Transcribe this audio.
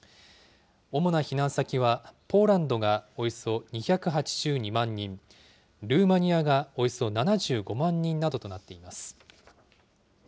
主な避難先は、ポーランドがおよそ２８２万人、ルーマニアがおよそ７５万人などとなっています。